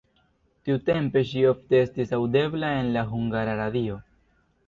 Tiutempe ŝi ofte estis aŭdebla en la Hungara Radio.